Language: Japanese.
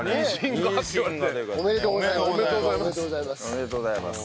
おめでとうございます。